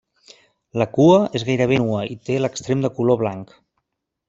La cua és gairebé nua i té l'extrem de color blanc.